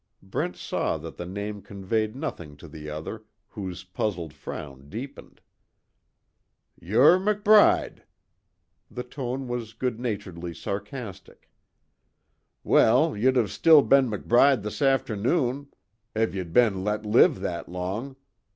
Brent saw that the name conveyed nothing to the other, whose puzzled frown deepened. "Ye're McBride!" The tone was good naturedly sarcastic, "Well, ye'd av still be'n McBride this afthernoon, av ye'd be'n let live that long.